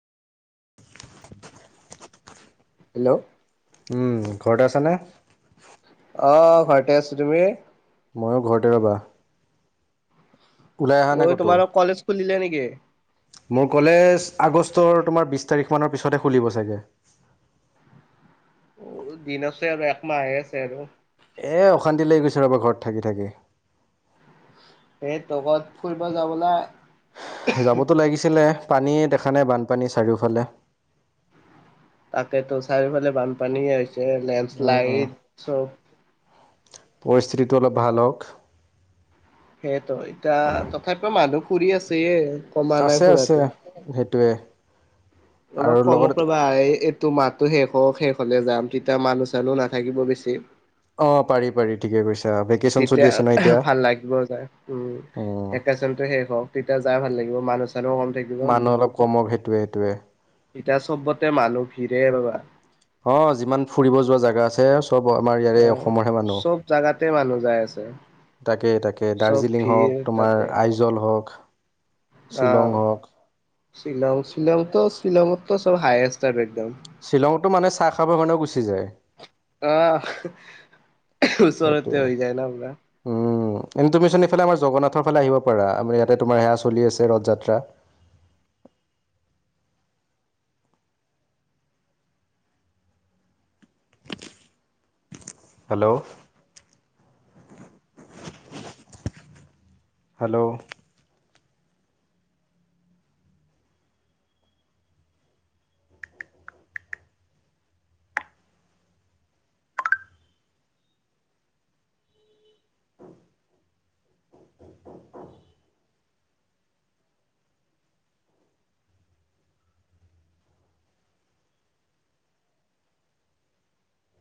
[unintelligible] Hello! উম। ঘৰতে আছা নে? অঁ! ঘৰতে আছোঁ। তুমি? মইয়ো ঘৰতে ৰবা। ওলাই অহা নাই ঐ ক'তো তোমাৰো কলেজ খুলিলে নেকি? মোৰ কলেজ আগষ্টৰ তোমাৰ বিছ তাৰিখ মানৰ পিছতহে খুলিব চাগে। দিন আছে আৰু একমাহে আছে আৰু। এই অশান্তি লাগি গৈছে ৰ'বা ঘৰত থাকি-থাকি। সেই ক'ৰবাত ফুৰিব যাবলে যাবতো লাগিছিলে। পানীয়ে দেখা নাই বানপানী চাৰিওফালে। তাকতো চাৰিওফালে বানপানী হৈছে উম লেণ্ডছ্লাইড চব। পৰিস্থিতিটো অলপ ভাল হওঁক। সেইটোৱেই এতিয়া তথাপিও মানুহ ফুৰি আছে। আছে-আছে, সেইটোৱে। আৰু অলপ কমক লগতে ৰবা এই এইক তোৰ মাহতো শেষ হওক শেষ হ'লে যাম। তেতিয়া মানুহ-চানুহ নাথাকিব বেছি। অঁ! পাৰি-পাৰি ঠিকে কৈছা। [unintelligible] তেতিয়া আছে ন এতিয়া ভাল লাগিব যায়। উম! উম ভেকেচনটো শেষ হ‌ওক তেতিয়া যায় ভাল লাগিব। মানুহ-চানুহ কম থাকিব। মানুহ অলপ কম হ‌ওক সেইটোৱে-সেইটোৱে। এতিয়া চবতে মানুহ ভিৰে ৰবা। অঁ! যিমান ফুৰিব যোৱা জেগা আছে। চব আমাৰ ইয়াৰে আহ অসমৰহে মানুহ। চব জাগাতে মানুহ যাই আছে তাকেই-তাকেই চব দাৰ্জিলিং ভিৰ হওঁক, তোমাৰ তাতে আইজল হওঁক। আহ! শ্বিলং-শ্বিলংতো শ্বিলংৰটো চব হাইষ্ট একদম। শ্বিলঙতটো মানে চাহ খাবৰ কাৰণেও গুচি যায়। আহ' ওচৰতেতে সেইটোৱে হৈ যায় ন' পুৰা। উম, এনে তুমিচোন এইফালে আমাৰ জগন্নাথৰ ফালে আহিব পাৰা? আমাৰ ইয়াতে তোমাৰ সেয়া চলি আছে ৰথ যাত্ৰা। হেল্ল'? হেল্ল'?